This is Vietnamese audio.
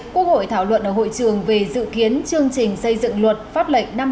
quốc hội thảo luận ở hội trường về dự kiến chương trình xây dựng luật pháp lệnh năm hai nghìn hai mươi